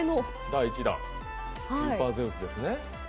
第１弾、スーパーゼウスですね。